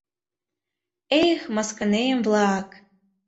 — Эх, мыскынем-влак!..